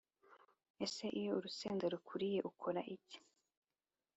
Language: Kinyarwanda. Ese iyo urusenda rukuriye ukora iki?